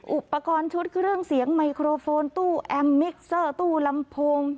อุปกรณ์ชุดเครื่องเสียงไมโครโฟนตู้แอมมิกเซอร์ตู้ลำโพง